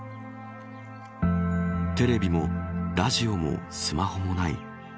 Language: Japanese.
テレビもラジオもスマホもない。